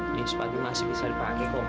ini sepatu masih bisa dipakai kok mak